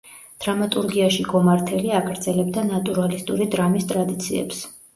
დრამატურგიაში გომართელი აგრძელებდა „ნატურალისტური დრამის“ ტრადიციებს.